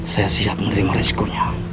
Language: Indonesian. saya siap menerima risikonya